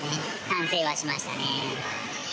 反省はしましたね。